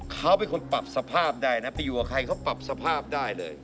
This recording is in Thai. เขาเป็นคนปรับสภาพได้นะไปอยู่กับใครเขาปรับสภาพได้เลย